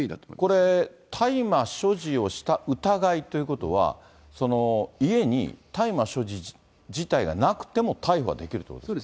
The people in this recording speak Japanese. これ、大麻を所持をした疑いがということは、家に大麻所持自体がなくても逮捕はできるということですか。